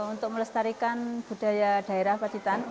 untuk melestarikan budaya daerah paditan